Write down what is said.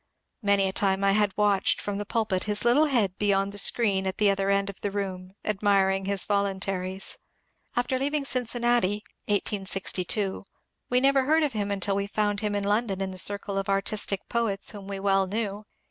Many a time I had watched from the pulpit his little head beyond the screen at the other end of the room, admiring his voluntaries. After leaving Cincinnati (1862) we never heard of him until we found him in London in the circle of artistic poets whom we well knew.